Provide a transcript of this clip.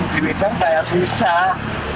tapi di bidang saya susah